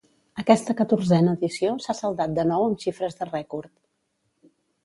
Aquesta catorzena edició s’ha saldat de nou amb xifres de rècord.